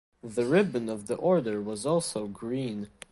The ribbon of the order was also green.